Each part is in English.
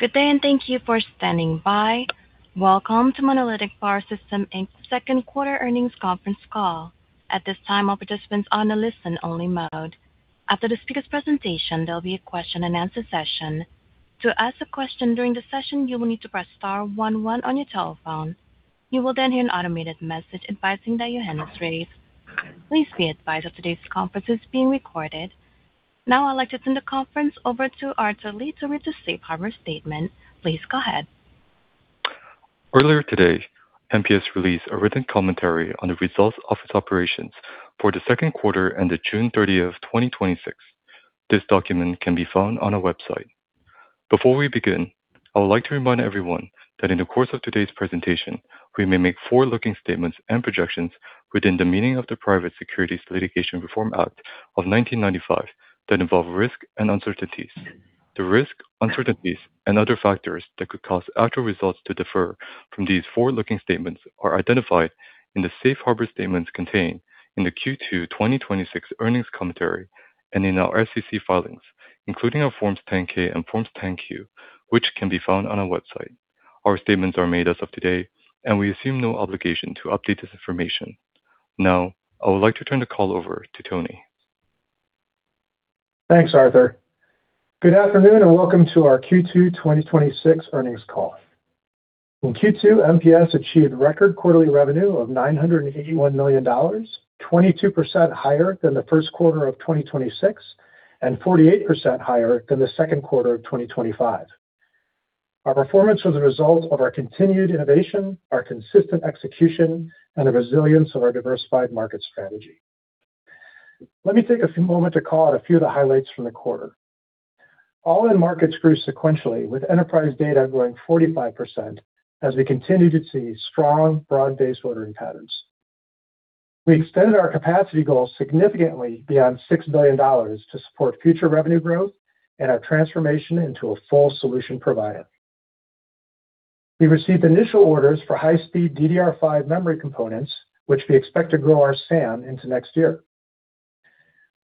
Good day, and thank you for standing by. Welcome to Monolithic Power Systems Inc's second quarter earnings conference call. At this time, all participants are on a listen-only mode. After the speakers' presentation, there will be a question-and-answer session. To ask a question during the session, you will need to press star one one on your telephone. You will then hear an automated message advising that your hand is raised. Please be advised that today's conference is being recorded. Now, I would like to turn the conference over to Arthur Lee to read the safe harbor statement. Please go ahead. Earlier today, MPS released a written commentary on the results of its operations for the second quarter ended June 30th, 2026. This document can be found on our website. Before we begin, I would like to remind everyone that in the course of today's presentation, we may make forward-looking statements and projections within the meaning of the Private Securities Litigation Reform Act of 1995 that involve risk and uncertainties. The risk, uncertainties, and other factors that could cause actual results to differ from these forward-looking statements are identified in the safe harbor statements contained in the Q2 2026 earnings commentary and in our SEC filings, including our Form 10-K and Form 10-Q, which can be found on our website. All statements are made as of today. We assume no obligation to update this information. Now, I would like to turn the call over to Tony. Thanks, Arthur. Good afternoon, and welcome to our Q2 2026 earnings call. In Q2, MPS achieved record quarterly revenue of $981 million, 22% higher than the first quarter of 2026 and 48% higher than the second quarter of 2025. Our performance was a result of our continued innovation, our consistent execution, and the resilience of our diversified market strategy. Let me take a moment to call out a few of the highlights from the quarter. All-in markets grew sequentially, with enterprise data growing 45% as we continue to see strong, broad-based ordering patterns. We extended our capacity goals significantly beyond $6 billion to support future revenue growth and our transformation into a full-solution provider. We received initial orders for high-speed DDR5 memory components, which we expect to grow our SAM into next year.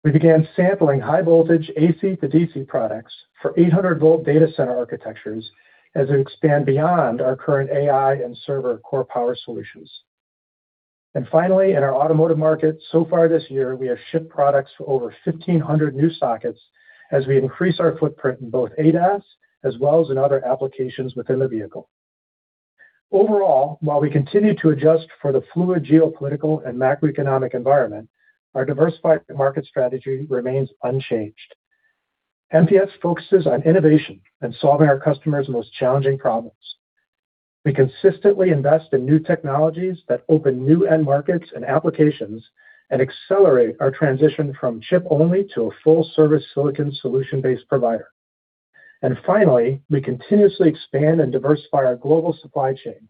We began sampling high-voltage AC to DC products for 800-V data center architectures as we expand beyond our current AI and server core power solutions. Finally, in our automotive market so far this year, we have shipped products for over 1,500 new sockets as we increase our footprint in both ADAS as well as in other applications within the vehicle. Overall, while we continue to adjust for the fluid geopolitical and macroeconomic environment, our diversified market strategy remains unchanged. MPS focuses on innovation and solving our customers' most challenging problems. We consistently invest in new technologies that open new end markets and applications and accelerate our transition from chip-only to a full-service silicon solution-based provider. Finally, we continuously expand and diversify our global supply chain,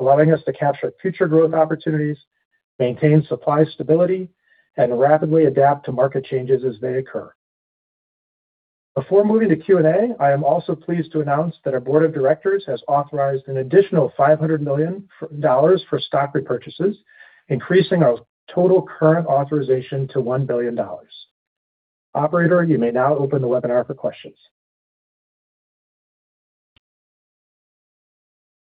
allowing us to capture future growth opportunities, maintain supply stability, and rapidly adapt to market changes as they occur. Before moving to Q&A, I am also pleased to announce that our board of directors has authorized an additional $500 million for stock repurchases, increasing our total current authorization to $1 billion. Operator, you may now open the webinar for questions.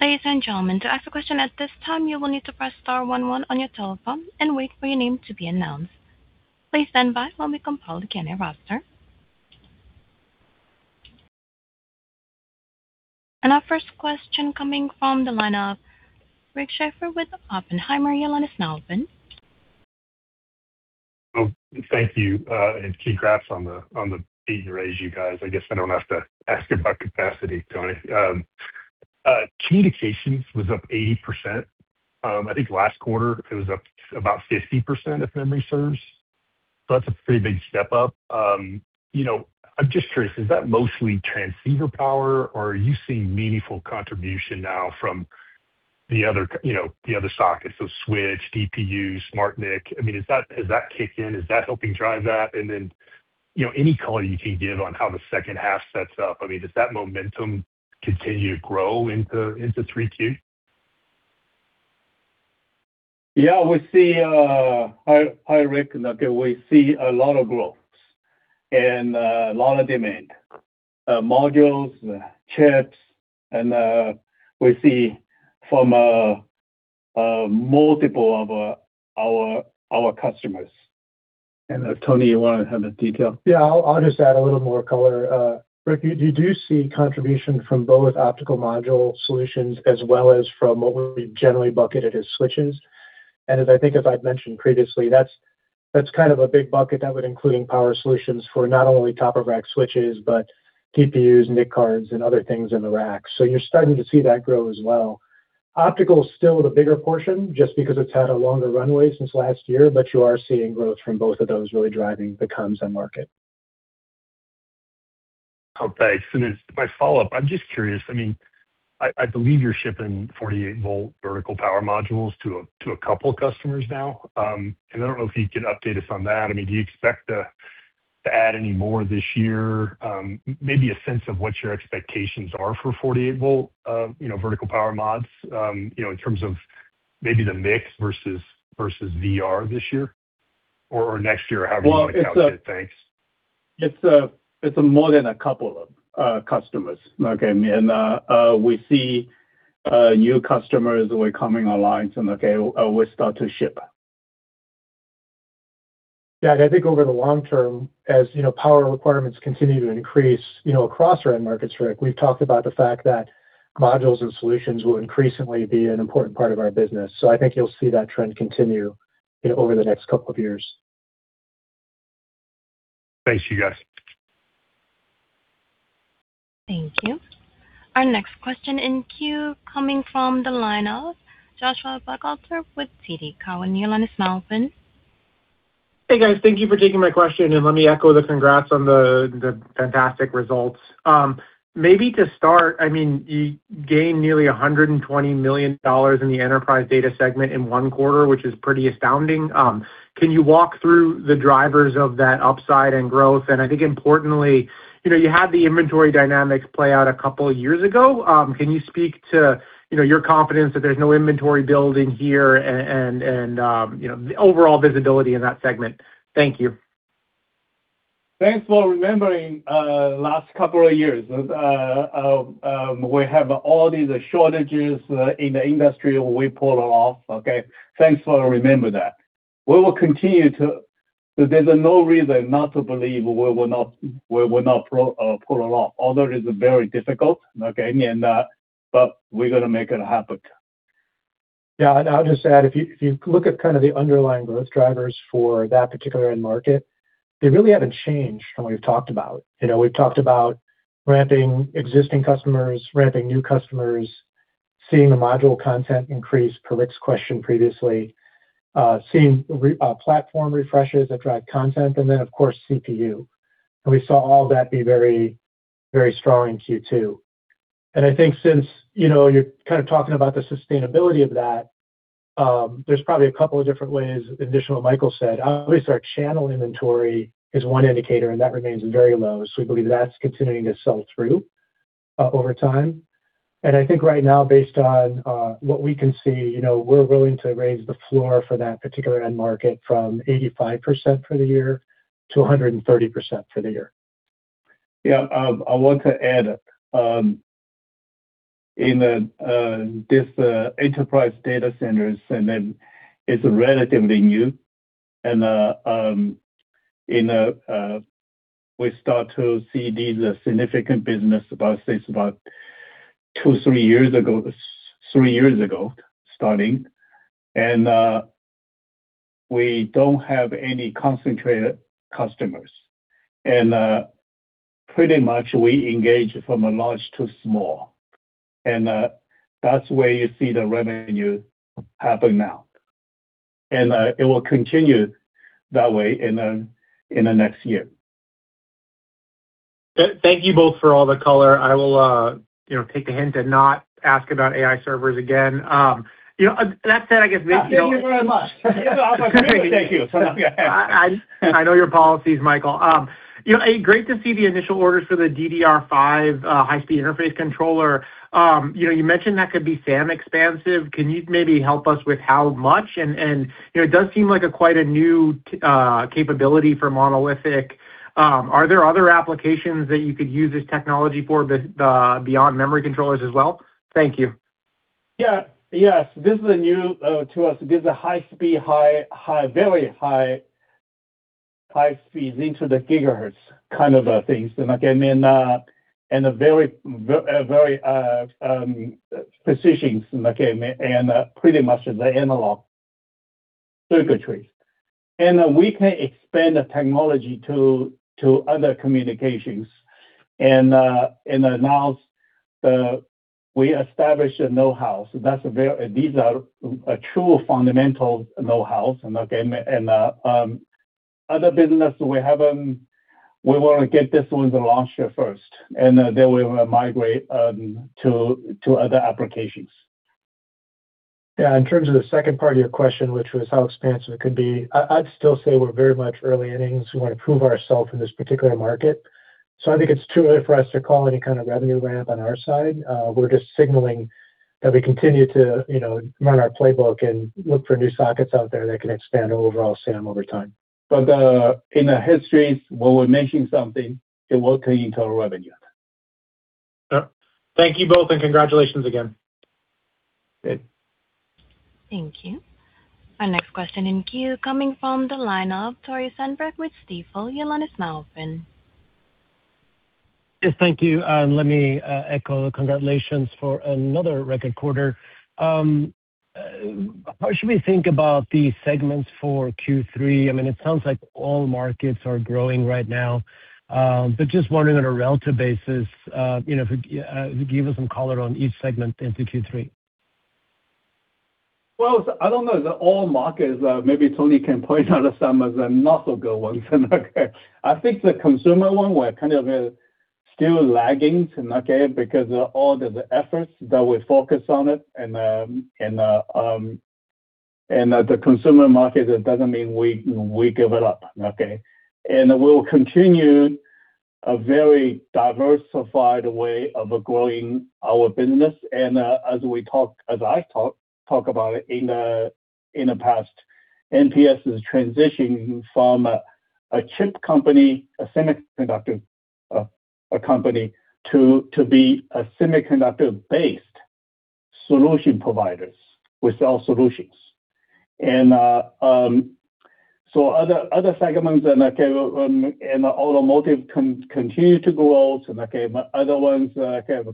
Ladies and gentlemen, to ask a question at this time, you will need to press star one one on your telephone and wait for your name to be announced. Please stand by while we compile the Q&A roster. Our first question coming from the line of Rick Schafer with Oppenheimer. Your line is now open. Thank you, congrats on the big raise, you guys. I guess I don't have to ask about capacity, Tony. Communications was up 80%. I think last quarter it was up about 50%, if memory serves. That's a pretty big step-up. I'm just curious, is that mostly transceiver power, or are you seeing meaningful contribution now from the other sockets, switch, DPU, SmartNIC? Has that kicked in? Is that helping drive that? Any color you can give on how the second half sets up? Does that momentum continue to grow into 3Q? Hi, Rick. We see a lot of growth and a lot of demand, modules, chips, we see from multiple of our customers. Tony, you want to have a detail? I'll just add a little more color. Rick, you do see contribution from both optical module solutions as well as from what we've generally bucketed as switches. As I think as I'd mentioned previously, that's kind of a big bucket that would include power solutions for not only top-of-rack switches but TPUs, NIC cards, and other things in the rack. You're starting to see that grow as well. Optical's still the bigger portion, just because it's had a longer runway since last year, but you are seeing growth from both of those really driving the comms end market. As my follow-up, I'm just curious. I believe you're shipping 48-V vertical power modules to a couple of customers now. I don't know if you could update us on that. Do you expect to add any more this year? Maybe a sense of what your expectations are for 48-V vertical power mods, in terms of maybe the mix versus VR this year or next year, however you want to count it. Thanks. It's more than a couple of customers. We see new customers who are coming online, we start to ship. I think over the long term, as power requirements continue to increase across our end markets, Rick, we've talked about the fact that modules and solutions will increasingly be an important part of our business. I think you'll see that trend continue over the next couple of years. Thanks, you guys. Thank you. Our next question in queue, coming from the line of Joshua Buchalter with TD Cowen. Your line is now open. Hey, guys. Thank you for taking my question. Let me echo the congrats on the fantastic results. Maybe to start, you gained nearly $120 million in the enterprise data segment in one quarter, which is pretty astounding. Can you walk through the drivers of that upside and growth? I think importantly, you had the inventory dynamics play out a couple of years ago. Can you speak to your confidence that there's no inventory building here and the overall visibility in that segment? Thank you. Thanks for remembering last couple of years. We have all these shortages in the industry, we pull off. Thanks for remember that. There's no reason not to believe we will not pull it off, although it is very difficult. We're going to make it happen. I'll just add, if you look at the underlying growth drivers for that particular end market, they really haven't changed from what we've talked about. We've talked about ramping existing customers, ramping new customers, seeing the module content increase, to Rick's question previously. Seeing platform refreshes that drive content, then, of course, CPU. We saw all of that be very strong in Q2. I think since you're talking about the sustainability of that, there's probably a couple of different ways additional to what Michael said. Obviously, our channel inventory is one indicator, and that remains very low. We believe that's continuing to sell through over time. I think right now, based on what we can see, we're willing to raise the floor for that particular end market from 85% for the year to 130% for the year. I want to add, in this enterprise data centers, it's relatively new, and we start to see these significant business, about two, three years ago, starting. We don't have any concentrated customers. Pretty much we engage from a large to small. That's where you see the revenue happen now. It will continue that way in the next year. Thank you both for all the color. I will take the hint and not ask about AI servers again. That said, I guess maybe- Thank you very much. Thank you. I know your policies, Michael. Great to see the initial orders for the DDR5 high-speed interface controller. You mentioned that could be SAM expansive. Can you maybe help us with how much? It does seem like quite a new capability for monolithic. Are there other applications that you could use this technology for beyond memory controllers as well? Thank you. Yes, this is new to us. This is a high speed, very high speed into the gigahertz kind of a thing. Pretty much the analog circuitry. We can expand the technology to other communications. Now, we establish a know-how. These are a true fundamental know-how. Other business, we want to get this one launched first, and then we will migrate to other applications. In terms of the second part of your question, which was how expansive it could be, I'd still say we're very much early innings. We want to prove ourself in this particular market. I think it's too early for us to call any kind of revenue ramp on our side. We're just signaling that we continue to run our playbook and look for new sockets out there that can expand overall SAM over time. In the histories, when we're mentioning something, it will turn into a revenue. Sure. Thank you both, and congratulations again. Good. Thank you. Our next question in queue, coming from the line of Tore Svanberg with Stifel. Your line is now open. Thank you. Let me echo the congratulations for another record quarter. How should we think about the segments for Q3? It sounds like all markets are growing right now. Just wondering on a relative basis, give us some color on each segment into Q3. Well, I don't know. The oil market is, maybe Tony can point out some of the not so good ones. I think the consumer one, we're kind of still lagging because of all the efforts that we focus on it, and the consumer market, it doesn't mean we give it up. We'll continue a very diversified way of growing our business. As I talk about it in the past, MPS is transitioning from a chip company, a semiconductor company, to be a semiconductor-based solution providers. We sell solutions. Other segments and automotive continue to grow, and other ones,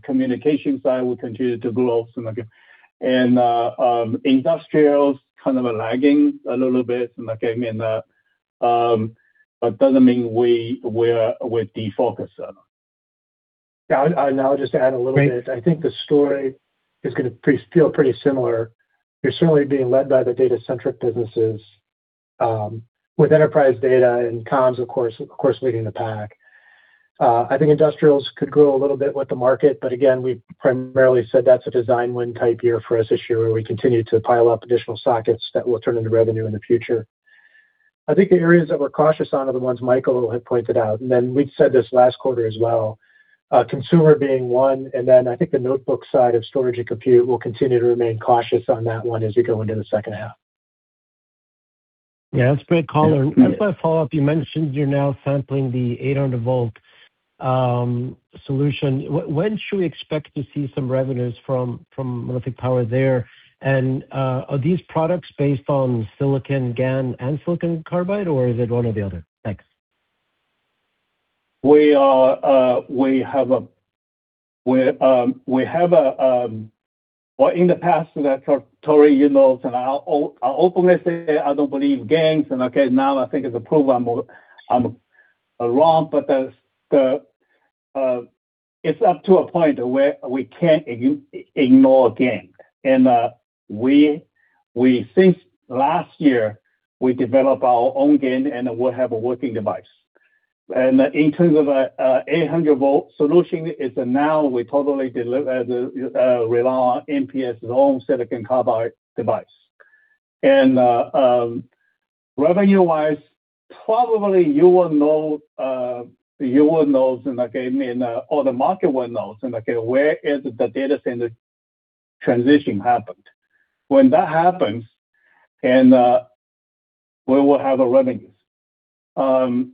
communication side will continue to grow. Industrials kind of are lagging a little bit, but doesn't mean we're defocused. I'll just add a little bit. I think the story is going to feel pretty similar. We're certainly being led by the data-centric businesses, with enterprise data and comms, of course, leading the pack. I think industrials could grow a little bit with the market, but again, we've primarily said that's a design win type year for us this year, where we continue to pile up additional sockets that will turn into revenue in the future. I think the areas that we're cautious on are the ones Michael had pointed out, and then we'd said this last quarter as well, consumer being one, and then I think the notebook side of storage and compute will continue to remain cautious on that one as we go into the second half. That's great color. As my follow-up, you mentioned you're now sampling the 800-V solution. When should we expect to see some revenues from Monolithic Power there? Are these products based on silicon GaN and silicon carbide, or is it one or the other? Thanks. Well, in the past, Tore, I'll openly say I don't believe GaNs and now, I think it's approved, I'm wrong, but it's up to a point where we can't ignore GaN. Since last year, we develop our own GaN, and we have a working device. In terms of a 800-V solution, it's now we totally rely on MPS's own silicon carbide device. Revenue-wise, probably you will know, or the market will know, where is the data center transition happened. When that happens, we will have revenues. In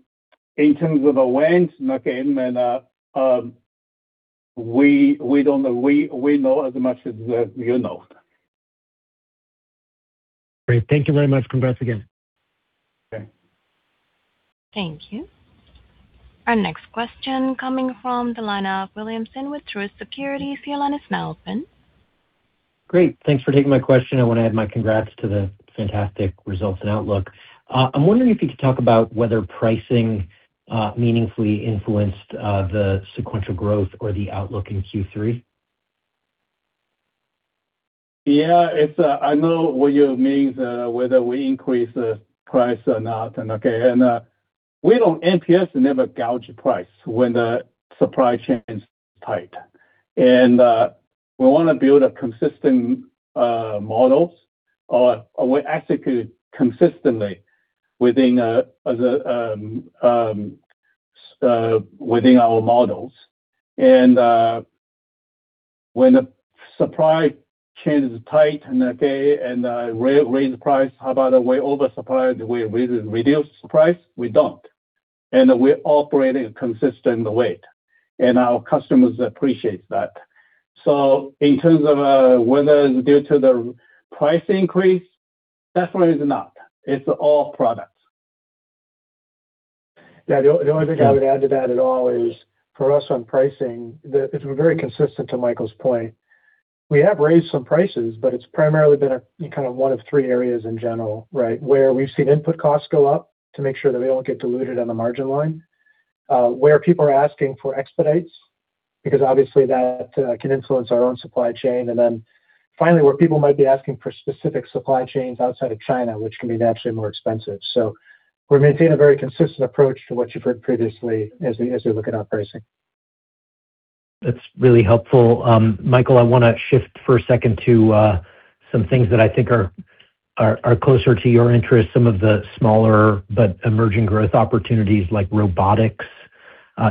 terms of a when, again, we know as much as you know. Great. Thank you very much. Congrats again. Thank you. Our next question coming from the line of William Stein with Truist Securities. Your line is now open. Great. Thanks for taking my question. I want to add my congrats to the fantastic results and outlook. I am wondering if you could talk about whether pricing meaningfully influenced the sequential growth or the outlook in Q3. I know what you mean, whether we increase price or not. MPS never gouge price when the supply chain is tight. We want to build a consistent models, or we execute consistently within our models. When the supply chain is tight, and raise the price. How about we oversupply, we reduce price? We don't. We operate in a consistent way, and our customers appreciate that. In terms of whether due to the price increase, definitely it is not. It is all products. The only thing I would add to that at all is for us on pricing, that we're very consistent, to Michael's point. We have raised some prices, but it's primarily been a kind of one of three areas in general. Where we've seen input costs go up to make sure that we don't get diluted on the margin line, where people are asking for expedites, because obviously that can influence our own supply chain. Finally, where people might be asking for specific supply chains outside of China, which can be naturally more expensive. We're maintaining a very consistent approach to what you've heard previously as we look at our pricing. That's really helpful. Michael, I want to shift for a second to some things that I think are closer to your interest, some of the smaller but emerging growth opportunities like robotics,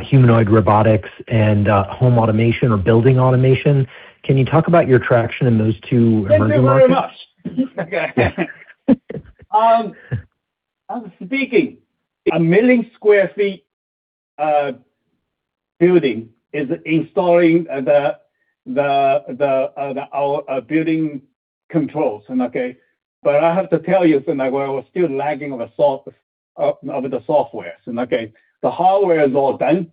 humanoid robotics, and home automation or building automation. Can you talk about your traction in those two emerging markets? Thank you very much. As I'm speaking, a million square feet building is installing our building controls. I have to tell you, we're still lagging over the software. The hardware is all done,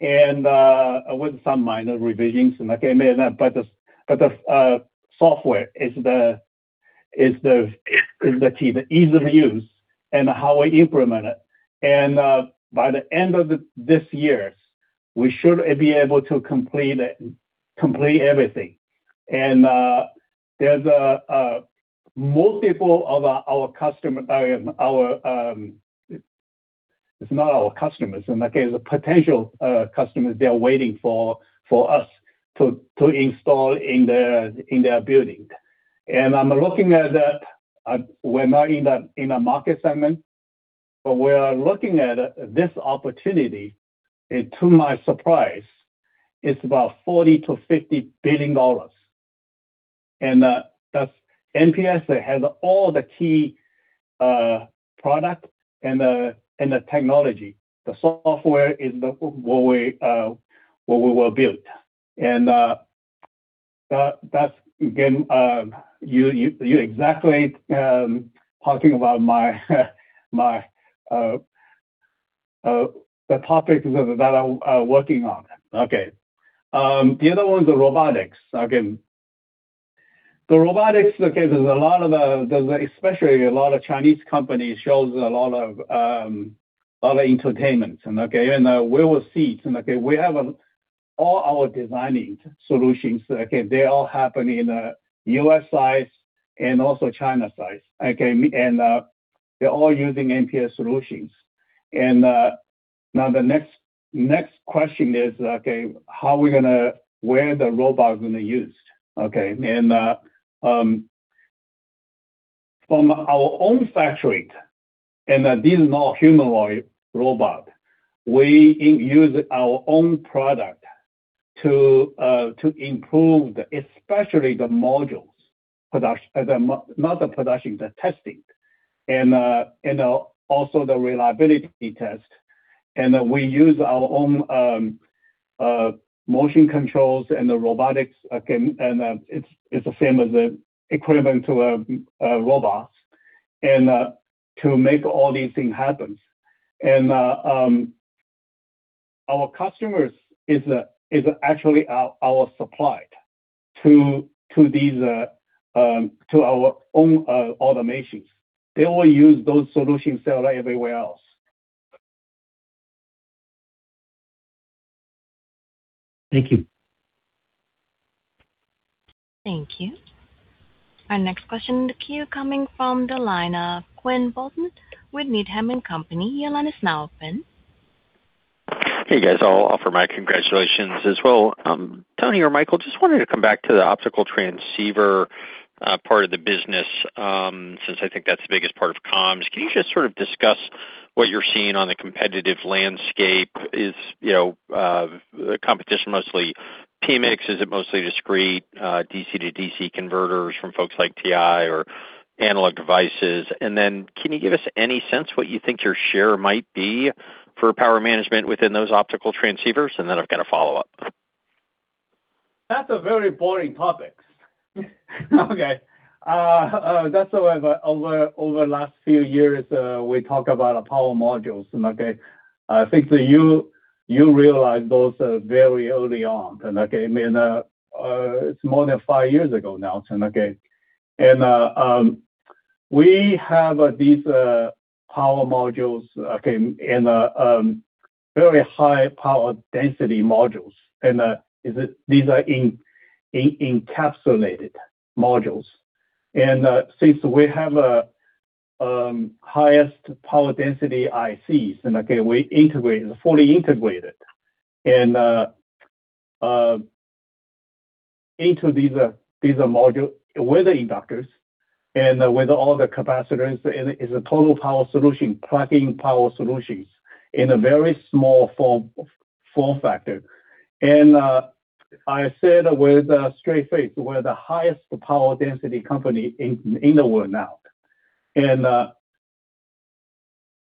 with some minor revisions, but the software is the key, the ease of use and how we implement it. By the end of this year, we should be able to complete everything. There's multiple of our customers. The potential customers, they are waiting for us to install in their building. I'm looking at that. We're not in a market segment, but we are looking at this opportunity, and to my surprise, it's about $40 billion-$50 billion. MPS has all the key product and the technology. The software is what we will build. That's, again, you're exactly talking about the topics that I'm working on. The other one is the robotics. Again, the robotics, there's especially a lot of Chinese companies, shows a lot of other entertainment. Even with seats, we have all our designing solutions. They all happen in U.S. size and also China size. They're all using MPS solutions. Now, the next question is, where the robot is going to be used. From our own factory, and this is not humanoid robot, we use our own product to improve, especially the modules production. Not the production, the testing, and also the reliability test. We use our own motion controls and the robotics, and it's equivalent to a robot, and to make all these things happen. Our customers is actually our supplier to our own automations. They all use those solutions that are everywhere else. Thank you. Thank you. Our next question in the queue, coming from the line of Quinn Bolton with Needham & Company. Your line is now open. Hey, guys. I'll offer my congratulations as well. Tony or Michael, just wanted to come back to the optical transceiver part of the business, since I think that's the biggest part of comms. Can you just sort of discuss what you're seeing on the competitive landscape? Is competition mostly PMIC? Is it mostly discrete DC-to-DC converters from folks like TI or Analog Devices? And then can you give us any sense what you think your share might be for power management within those optical transceivers? And then I've got a follow-up. That's a very boring topic. That's why over last few years, we talk about power modules. I think that you realized those very early on. It's more than five years ago now. We have these power modules and very high power density modules, and these are encapsulated modules. Since we have highest power density ICs, and we fully integrate it into these module with the inductors and with all the capacitors, it's a total power solution, plug-in power solutions, in a very small form factor. I said with straight face, we're the highest power density company in the world now.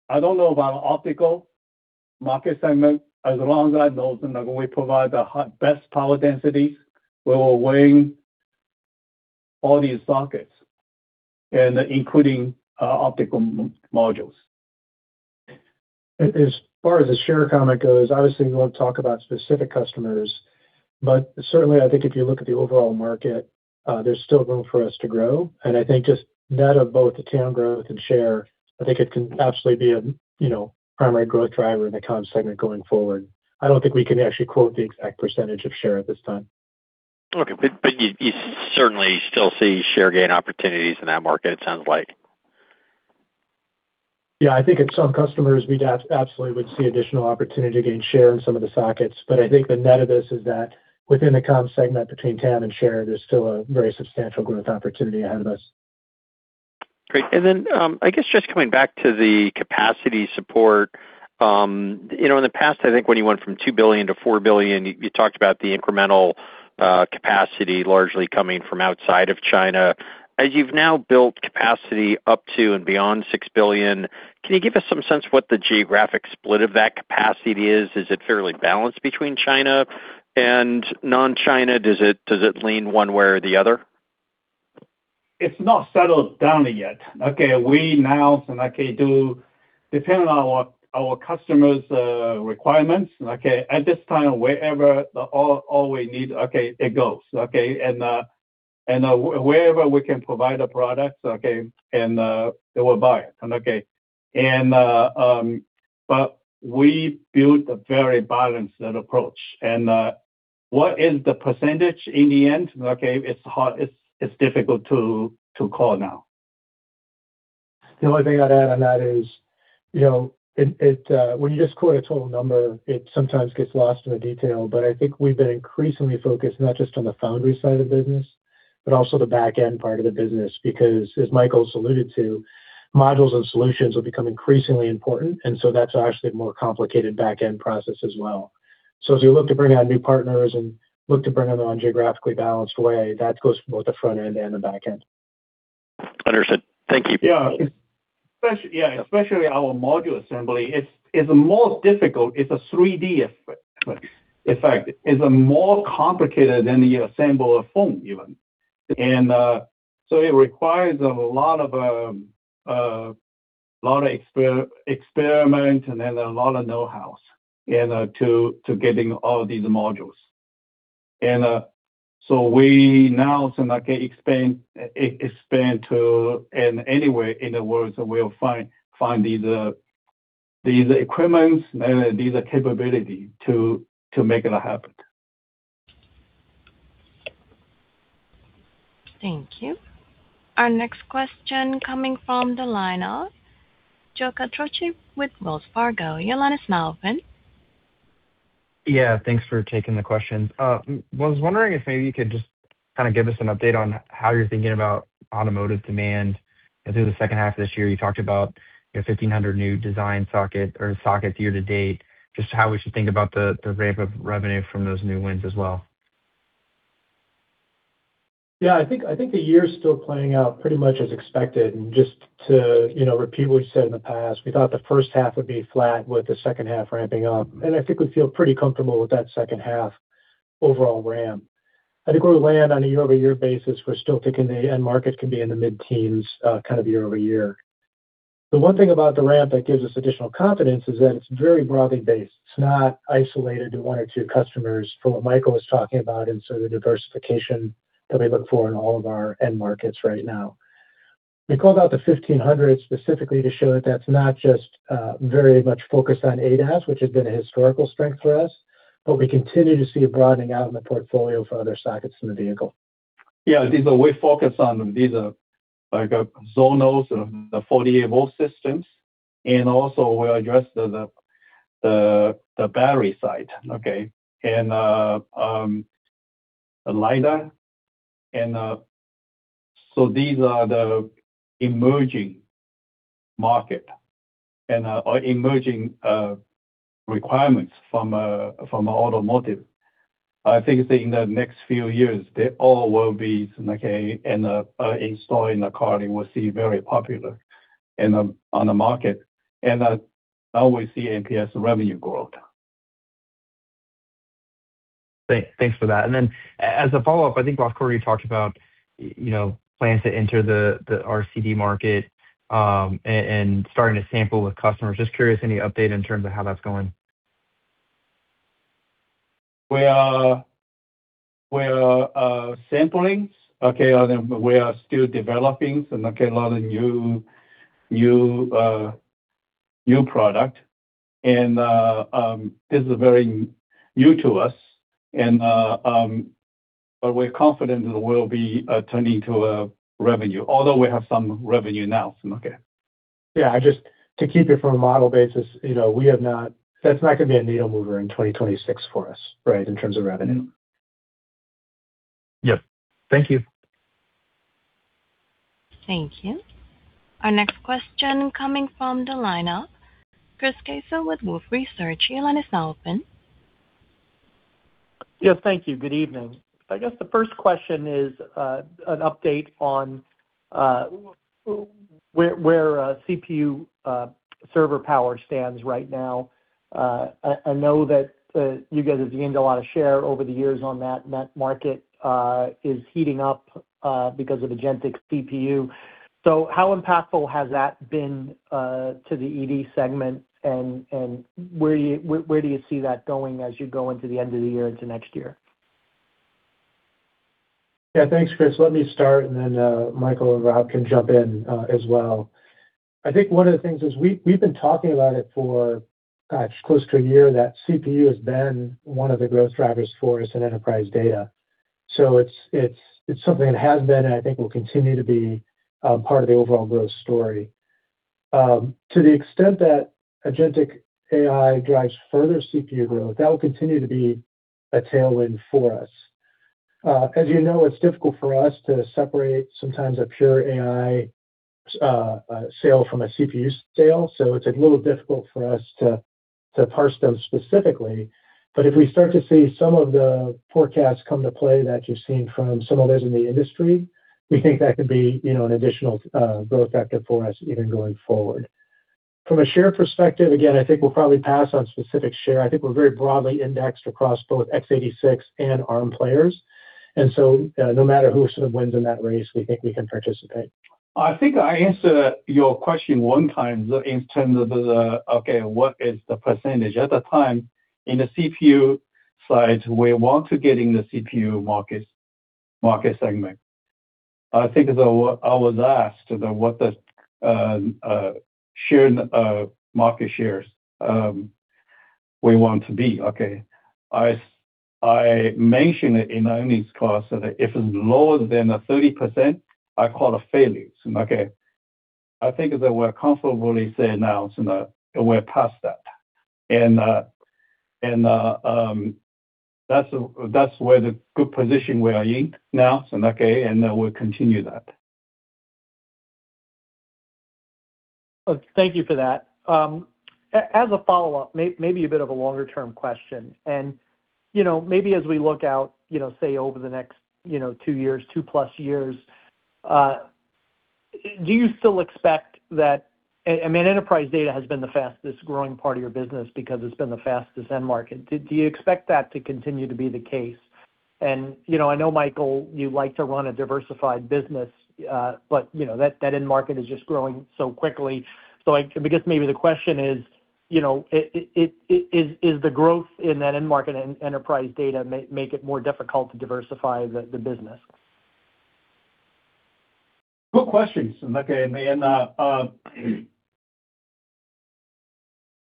I don't know about optical market segment. As long as I know, we provide the best power density. We are weighing all these sockets, including optical modules. As far as the share comment goes, obviously, we won't talk about specific customers. Certainly, I think if you look at the overall market, there's still room for us to grow. I think just net of both the TAM growth and share, I think it can absolutely be a primary growth driver in the comms segment going forward. I don't think we can actually quote the exact percentage of share at this time. You certainly still see share gain opportunities in that market, it sounds like. I think at some customers, we absolutely would see additional opportunity to gain share in some of the sockets. I think the net of this is that within the comms segment, between TAM and share, there's still a very substantial growth opportunity ahead of us. Great. I guess just coming back to the capacity support. In the past, I think when you went from $2 billion to $4 billion, you talked about the incremental capacity largely coming from outside of China. As you've now built capacity up to and beyond $6 billion, can you give us some sense what the geographic split of that capacity is? Is it fairly balanced between China and non-China? Does it lean one way or the other? It's not settled down yet. We now do, depending on our customers' requirements, at this time, wherever all we need, it goes. Wherever we can provide a product, and they will buy it. We built a very balanced approach. What is the percentage in the end? It's difficult to call now. The only thing I'd add on that is, when you just quote a total number, it sometimes gets lost in the detail. I think we've been increasingly focused not just on the foundry side of the business, but also the back-end part of the business, because as Michael alluded to, modules and solutions will become increasingly important. That's actually a more complicated back-end process as well. As we look to bring on new partners and look to bring it on geographically balanced way, that goes for both the front end and the back end. Understood. Thank you. Especially our module assembly, it's more difficult. It's a 3D effect. It's more complicated than to assemble a phone, even. It requires a lot of experiment and then a lot of know-hows to getting all these modules. We now expand to anywhere in the world that we'll find these equipments and these capability to make it happen. Thank you. Our next question coming from the line of Joe Quatrochi with Wells Fargo. Your line is now open. Thanks for taking the question. I was wondering if maybe you could just give us an update on how you're thinking about automotive demand through the second half of this year. You talked about 1,500 new design sockets year to date. Just how we should think about the ramp of revenue from those new wins as well. I think the year's still playing out pretty much as expected. Just to repeat what we've said in the past, we thought the first half would be flat with the second half ramping up. I think we feel pretty comfortable with that second half overall ramp. I think where we land on a year-over-year basis, we're still thinking the end market could be in the mid-teens year-over-year. The one thing about the ramp that gives us additional confidence is that it's very broadly based. It's not isolated to one or two customers from what Michael was talking about and sort of the diversification that we look for in all of our end markets right now. We called out the 1,500 specifically to show that that's not just very much focused on ADAS, which has been a historical strength for us, but we continue to see a broadening out in the portfolio for other sockets in the vehicle. We focus on these are like a zonals or the 48-V systems, also we address the battery side. The LiDAR. These are the emerging market and emerging requirements from automotive. I think in the next few years, they all will be installed in the car and will see very popular on the market. I always see MPS revenue growth. Thanks for that. As a follow-up, I think, Michael talked about plans to enter the RCD market, starting to sample with customers. Just curious, any update in terms of how that's going? We are sampling, we are still developing a lot of new product. This is very new to us, but we're confident that we'll be turning to revenue, although we have some revenue now. Just to keep it from a model basis, that's not going to be a needle mover in 2026 for us, in terms of revenue. Thank you. Thank you. Our next question coming from the line of Chris Caso with Wolfe Research. Your line is now open. Thank you. Good evening. I guess the first question is, an update on where CPU server power stands right now. I know that you guys have gained a lot of share over the years, that market is heating up because of agentic AI. How impactful has that been to the ED segment and where do you see that going as you go into the end of the year into next year? Thanks, Chris. Let me start and then, Michael and Rob can jump in as well. We've been talking about it for close to a year, that CPU has been one of the growth drivers for us in enterprise data. It's something that has been, and I think will continue to be part of the overall growth story. To the extent that agentic AI drives further CPU growth, that will continue to be a tailwind for us. As you know, it's difficult for us to separate sometimes a pure AI sale from a CPU sale. It's a little difficult for us to parse them specifically. If we start to see some of the forecasts come to play that you're seeing from some others in the industry, we think that could be an additional growth vector for us even going forward. From a share perspective, again, I think we'll probably pass on specific share. I think we're very broadly indexed across both x86 and Arm players. No matter who sort of wins in that race, we think we can participate. I think I answered your question one time in terms of what is the percentage. At the time, in the CPU side, we want to get in the CPU market segment. I think I was asked what the market shares we want to be. I mention it in earnings call, so that if it's lower than the 30%, I call it failures. I think that we're comfortably there now, so that we're past that. That's where the good position we are in now, and we'll continue that. Thank you for that. As a follow-up, maybe a bit of a longer-term question. Maybe as we look out, say, over the next two years, two plus years, do you still expect that, I mean, enterprise data has been the fastest-growing part of your business because it's been the fastest end market. Do you expect that to continue to be the case? I know, Michael, you like to run a diversified business, but that end market is just growing so quickly. I guess maybe the question is is the growth in that end market and enterprise data make it more difficult to diversify the business? Good question.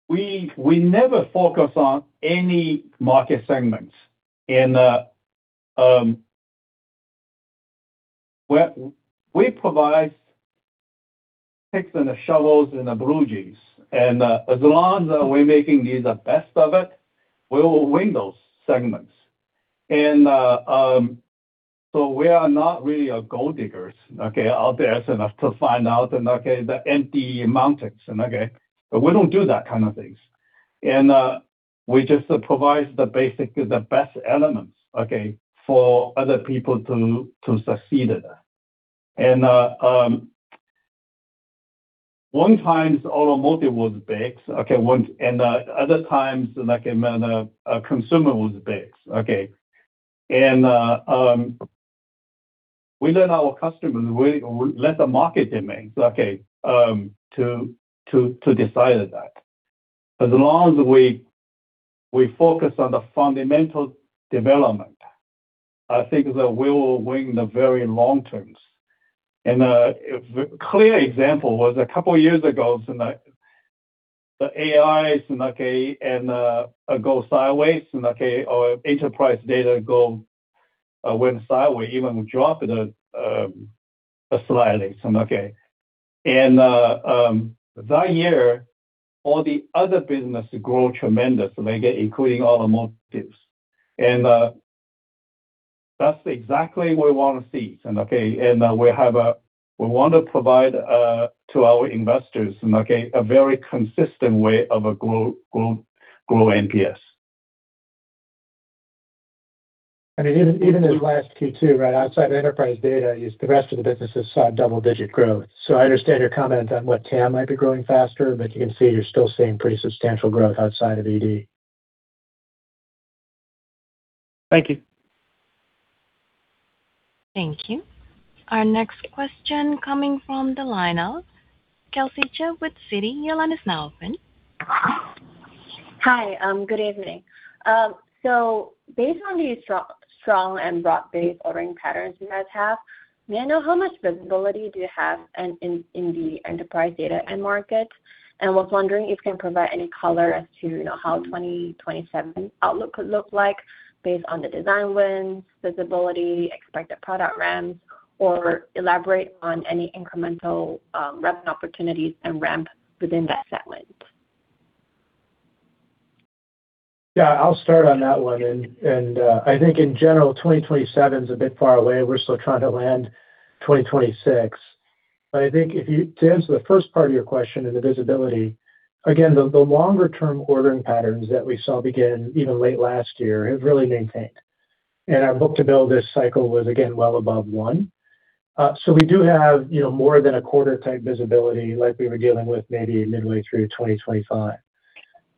We never focus on any market segments. We provide picks and shovels and blue jeans. As long as we're making these the best of it, we will win those segments. We are not really a gold diggers out there to find out the empty mountains. We don't do that kind of things. We just provide basically the best elements for other people to succeed at that. One time automotive was big. Other times, consumer was big. We let our customers, we let the market demand to decide that. As long as we focus on the fundamental development, I think that we will win the very long terms. A clear example was a couple of years ago, the AI go sideways, or enterprise data went sideways, even drop it slightly. That year, all the other business grow tremendous, including automotives. That's exactly what we want to see. We want to provide to our investors a very consistent way of a grow MPS. Even this last Q2, right outside enterprise data, the rest of the businesses saw double-digit growth. I understand your comment on what TAM might be growing faster, but you can see you're still seeing pretty substantial growth outside of ED. Thank you. Thank you. Our next question coming from the line of Kelsey Chia with Citi. Your line is now open. Hi, good evening. Based on the strong and broad-based ordering patterns you guys have, may I know how much visibility do you have in the enterprise data end market? Was wondering if you can provide any color as to how 2027 outlook could look like based on the design wins, visibility, expected product ramps, or elaborate on any incremental revenue opportunities and ramp within that set wins. I'll start on that one. I think in general, 2027 is a bit far away. We're still trying to land 2026. I think to answer the first part of your question on the visibility, again, the longer-term ordering patterns that we saw begin even late last year have really maintained. Our book-to-bill this cycle was, again, well above 1. We do have more than a quarter-type visibility like we were dealing with maybe midway through 2025.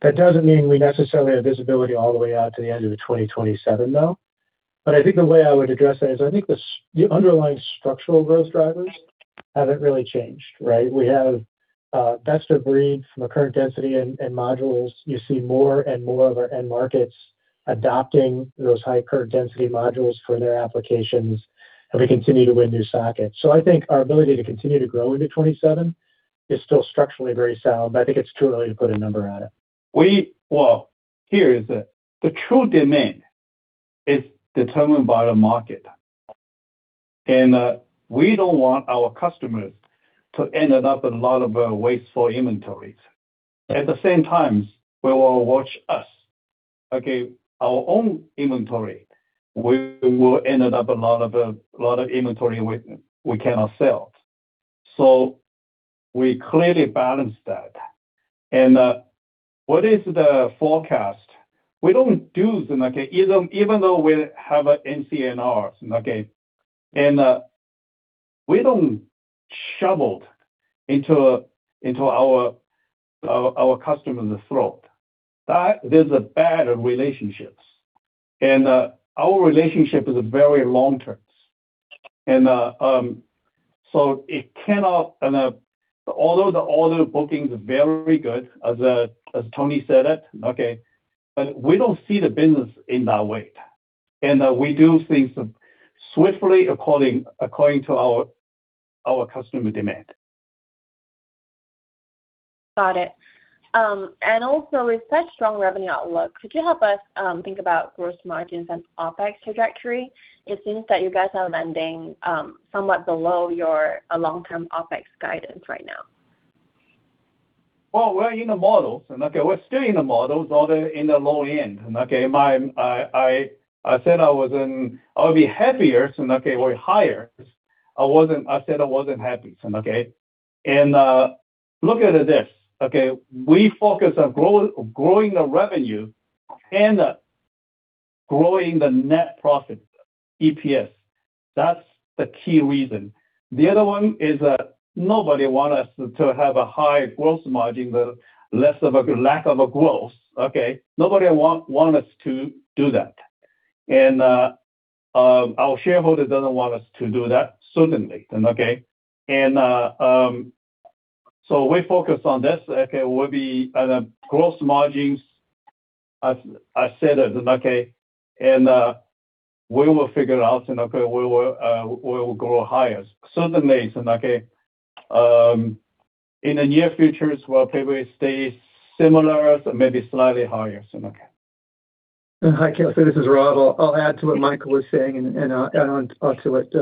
That doesn't mean we necessarily have visibility all the way out to the end of the 2027, though. I think the way I would address that is I think the underlying structural growth drivers haven't really changed. We have best-of-breed from a current density and modules. You see more and more of our end markets adopting those high current density modules for their applications, and we continue to win new sockets. I think our ability to continue to grow into 2027 is still structurally very sound, but I think it's too early to put a number on it. Well, here is the true demand is determined by the market. We don't want our customers to end up with a lot of wasteful inventories. At the same time, we will watch us, our own inventory. We will end up a lot of inventory we cannot sell. We clearly balance that. What is the forecast? We don't do them, even though we have NCNR. We don't shovel into our customer's throat. That is a bad relationships. Our relationship is very long-term. Although the order booking is very good, as Tony said it, but we don't see the business in that way. We do things swiftly according to our customer demand. Got it. Also, with such strong revenue outlook, could you help us think about gross margins and OpEx trajectory? It seems that you guys are landing somewhat below your long-term OpEx guidance right now. Well, we're in the models. We're still in the models, although in the low end. I said I would be happier if they we're higher. I said I wasn't happy. Look at it this, we focus on growing the revenue and growing the net profit, EPS. That's the key reason. The other one is that nobody want us to have a high gross margin, but less of a lack of a growth. Nobody want us to do that. Our shareholder doesn't want us to do that, certainly. We focus on this. We'll be at a gross margins, as I said, and we will figure out, and we will grow higher, certainly. In the near future as well, probably stay similar or maybe slightly higher. Hi, Kelsey, this is Rob. I'll add to what Michael was saying, and add on to what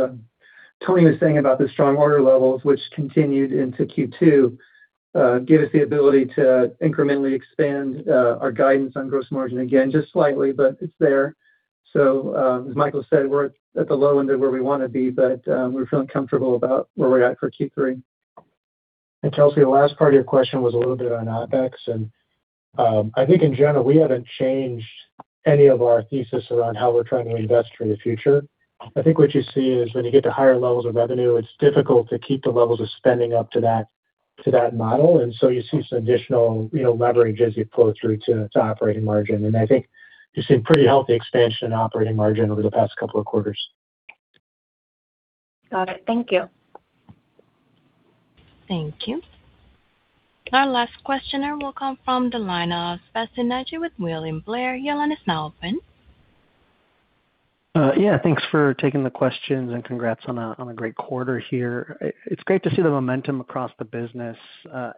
Tony was saying about the strong order levels, which continued into Q2, give us the ability to incrementally expand our guidance on gross margin. Again, just slightly, but it's there. As Michael said, we're at the low end of where we want to be, but we're feeling comfortable about where we're at for Q3. Kelsey, the last part of your question was a little bit on OpEx, and I think in general, we haven't changed any of our thesis around how we're trying to invest for the future. I think what you see is when you get to higher levels of revenue, it's difficult to keep the levels of spending up to that model, you see some additional leverage as you pull through to operating margin. I think you've seen pretty healthy expansion in operating margin over the past couple of quarters. Got it. Thank you. Thank you. Our last questioner will come from the line of Sebastien Naji with William Blair. Your line is now open. Thanks for taking the questions and congrats on a great quarter here. It's great to see the momentum across the business.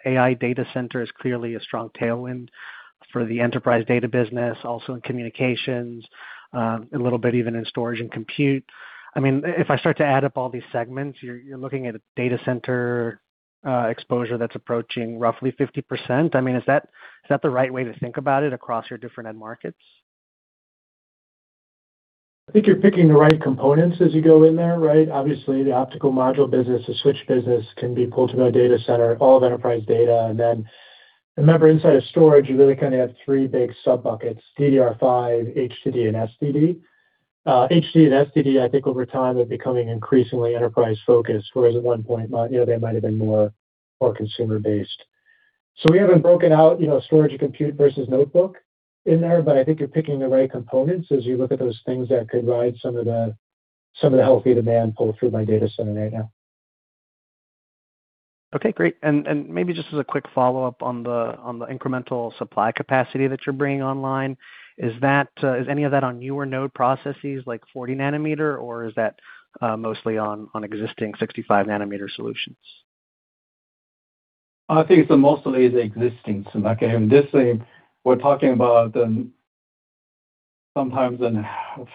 AI data center is clearly a strong tailwind for the enterprise data business, also in communications, a little bit even in storage and compute. If I start to add up all these segments, you're looking at a data center exposure that's approaching roughly 50%. Is that the right way to think about it across your different end markets? I think you're picking the right components as you go in there. Obviously, the optical module business, the switch business can be pulled to our data center, all of enterprise data. Then remember, inside of storage, you really have three big sub-buckets, DDR5, HDD, and SSD. HDD and SSD, I think over time, are becoming increasingly enterprise-focused, whereas at one point they might have been more consumer based. We haven't broken out storage and compute versus notebook in there, but I think you're picking the right components as you look at those things that could ride some of the healthy demand pulled through by data center right now. Great. Maybe just as a quick follow-up on the incremental supply capacity that you're bringing online. Is any of that on newer node processes, like 40 nm, or is that mostly on existing 65 nm solutions? I think it's mostly the existing. This thing we're talking about, sometimes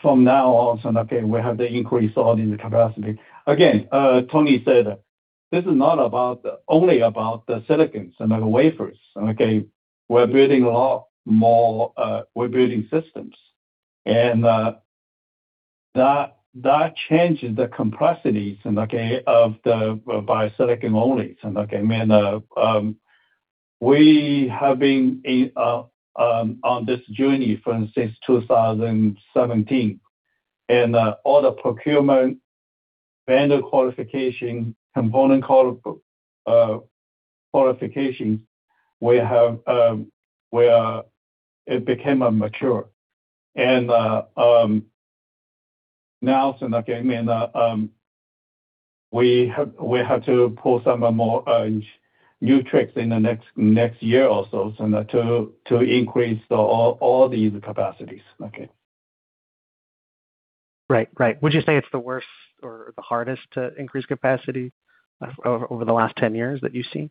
from now on, we have the increase all in the capacity. Again, Tony said, this is not only about the silicons and the wafers. We're building systems, and that changes the complexities of the by silicon only. We have been on this journey from since 2017, and all the procurement, vendor qualification, component qualification, it became mature. Now, we have to pull some more new tricks in the next year or so to increase all these capacities. Would you say it's the worst or the hardest to increase capacity over the last 10 years that you've seen?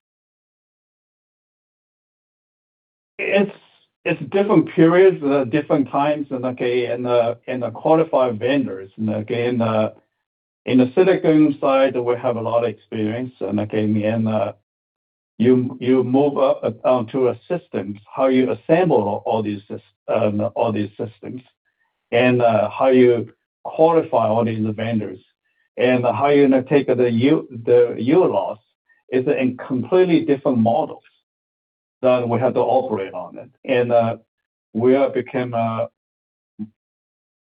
It's different periods, different times, and the qualified vendors. In the silicon side, we have a lot of experience, and you move up onto a system, how you assemble all these systems, and how you qualify all these vendors, and how you take the yield loss is in completely different models that we have to operate on it.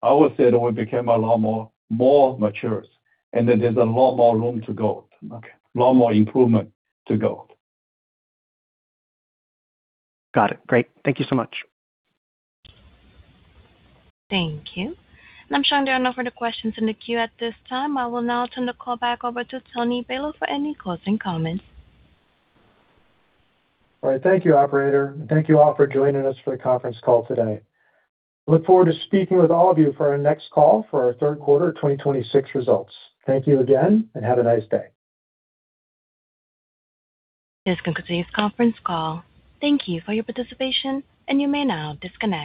I would say that we became a lot more mature, and that there's a lot more room to go, a lot more improvement to go. Got it. Great. Thank you so much. Thank you. I'm showing there are no further questions in the queue at this time. I will now turn the call back over to Tony Balow for any closing comments. Thank you, operator, and thank you all for joining us for the conference call today. Look forward to speaking with all of you for our next call for our third quarter 2026 results. Thank you again, and have a nice day. This concludes today's conference call. Thank you for your participation, and you may now disconnect.